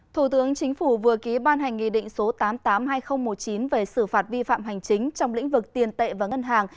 thủ tướng chính phủ vừa ký ban hành nghị định số tám trăm tám mươi hai nghìn một mươi chín về xử phạt vi phạm hành chính trong lĩnh vực tiền tệ và ngân hàng